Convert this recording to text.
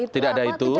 tidak ada itu